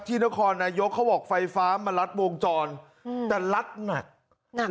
นครนายกเขาบอกไฟฟ้ามารัดวงจรแต่ลัดหนักหนัก